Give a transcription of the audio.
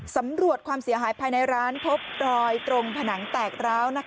สำรวจความเสียหายภายในร้านพบรอยตรงผนังแตกร้าว